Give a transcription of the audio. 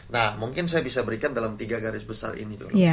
nah mungkin saya bisa berikan dalam tiga garis besar ini dulu